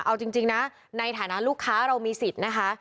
เอาจริงนะในฐานะลูกค้าเรามีสิทธิ์นะคะ